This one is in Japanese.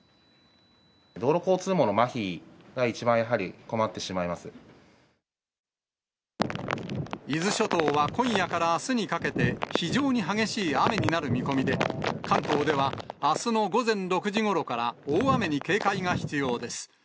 道路交通網のまひが一番やは伊豆諸島は今夜からあすにかけて、非常に激しい雨になる見込みで、関東では、あすの午前６時ごろから大雨に警戒が必要です。